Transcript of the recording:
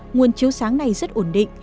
nguồn chiếu sáng này rất ổn định